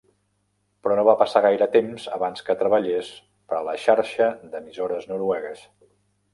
Però no va passar gaire temps abans que treballés per a la xarxa d'emissores noruegues.